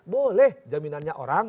boleh jaminannya orang